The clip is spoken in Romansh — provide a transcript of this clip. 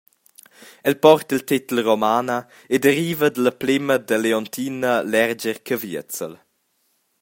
El porta il tetel Romana e deriva dalla plema da Leontina Lergier-Caviezel.